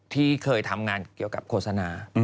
ที่เคยทำงานเกี่ยวกับโฆษณา